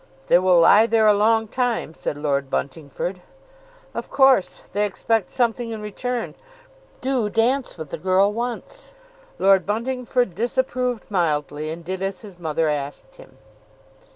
"They will lie there a long time," said Lord Buntingford. "Of course they expect something in return; do dance with the girl once." Lord Buntingford disapproved mildly, and did as his mother asked him.